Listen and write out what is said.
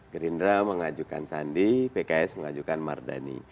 gerindra mengajukan sandi pks mengajukan mardani